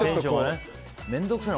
面倒くさいな。